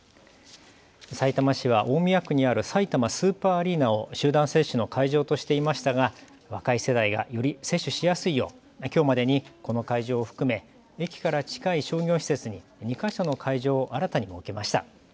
さいたま市は大宮区にあるさいたまスーパーアリーナを集団接種の会場としていましたが若い世代がより接種しやすいようきょうまでに、この会場を含め駅から近い商業施設に２か所の会場を新たに設けました。